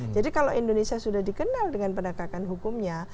jadi kalau indonesia sudah dikenal dengan penegakan hukumnya